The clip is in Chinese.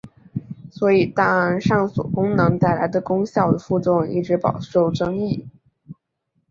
所以档案上锁功能带来的功效与副作用一直饱受争议。